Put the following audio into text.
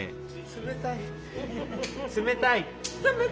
冷たい？